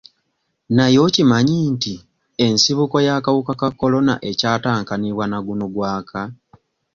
Naye okimanyi nti ensibuko y'akawuka ka Corona ekyatankanibwa na guno gwaka?